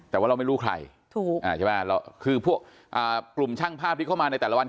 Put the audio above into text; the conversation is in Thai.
แต่ว่าเราไม่รู้ใครถูกอ่าใช่ไหมคือพวกกลุ่มช่างภาพที่เข้ามาในแต่ละวัน